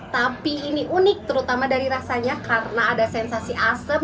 tapi ini unik terutama dari rasanya karena ada sensasi asem